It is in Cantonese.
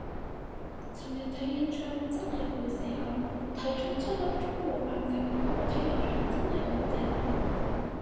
尋日睇演唱會真係攰死我，睇足七粒鐘冇飯食，不過睇現場真係好正